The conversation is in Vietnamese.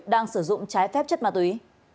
đang sử dụng trái phép chất ma túy